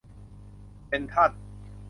เซ็นทรัล